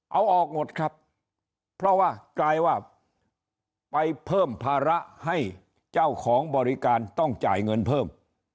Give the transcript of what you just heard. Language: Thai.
เอาออกหมดครับเพราะว่ากลายว่าไปเพิ่มภาระให้เจ้าของบริการต้องจ่ายเงินเพิ่ม